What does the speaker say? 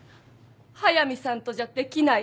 速見さんとじゃできない